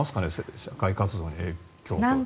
社会活動に影響とか。